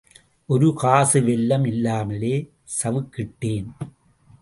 ஒருகாசு வெல்லம் இல்லாமல் சவுக்கிட்டேன்.